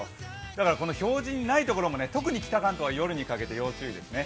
だからこの表示にないところも特に北関東は夜にかけても注意ですね。